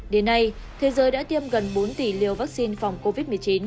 đến nay thế giới đã tiêm gần bốn tỷ liều vaccine phòng covid một mươi chín